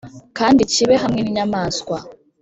Kandi kibe hamwe n inyamaswa